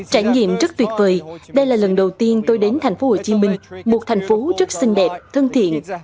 trải nghiệm rất tuyệt vời đây là lần đầu tiên tôi đến tp hcm một thành phố rất xinh đẹp thân thiện